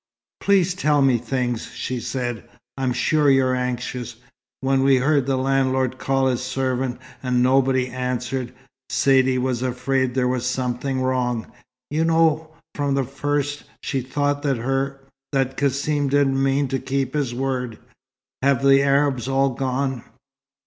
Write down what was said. "Please tell me things," she said. "I'm sure you're anxious. When we heard the landlord call his servant and nobody answered, Saidee was afraid there was something wrong. You know, from the first she thought that her that Cassim didn't mean to keep his word. Have the Arabs all gone?"